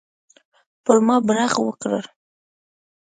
پر ما برغ وکړه.